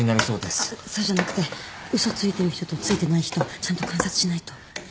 そうじゃなくて嘘ついてる人とついてない人ちゃんと観察しないと。